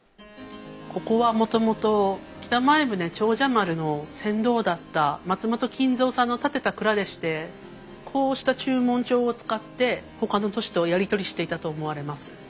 ここはもともと北前船長者丸の船頭だった松本金蔵さんの建てた蔵でしてこうした註文帳を使ってほかの都市とやり取りしていたと思われます。